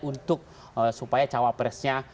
untuk supaya cawapresnya